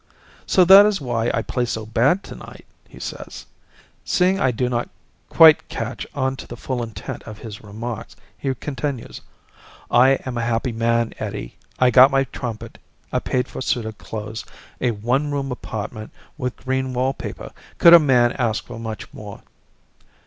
"So that is why I play so bad tonight," he says. Seeing I do not quite catch on to the full intent of his remarks, he continues. "I am a happy man, Eddie. I got my trumpet, a paid for suit of clothes, a one room apartment with green wallpaper. Could a man ask for much more?"